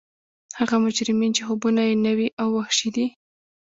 هغه مجرمین چې خوبونه یې نوي او وحشي دي